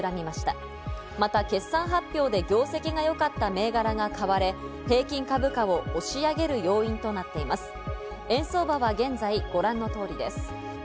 また決算発表で業績がよかった銘柄が買われ、平均株価を押し上げる要因となっています。